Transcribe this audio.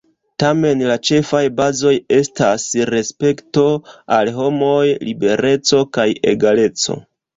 Tamen la ĉefaj bazoj estas respekto al homoj, libereco kaj egaleco.